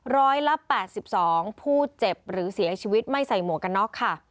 ร้อยละ๘๒ผู้เจ็บหรือเสียชีวิตไม่ใส่หมวกกันน็อกค่ะ